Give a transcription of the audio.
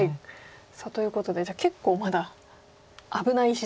さあということでじゃあ結構まだ危ない石と。